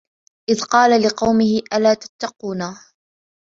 إِذْ قَالَ لِقَوْمِهِ أَلَا تَتَّقُونَ